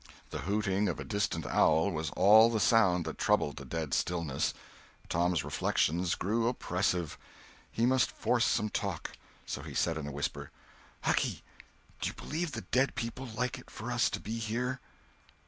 The hooting of a distant owl was all the sound that troubled the dead stillness. Tom's reflections grew oppressive. He must force some talk. So he said in a whisper: "Hucky, do you believe the dead people like it for us to be here?"